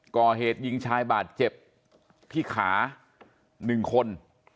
ก่อเหตุยิงชายบาดเจ็บที่ขา๑คน